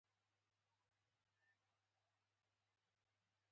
خاوره یې ډېره سپېڅلې بلله.